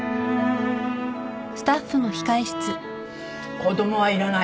「子供はいらない。